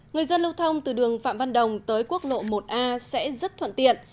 người dân lưu thông từ đường phạm văn đồng tới quốc lộ một a sẽ rất thuận tiện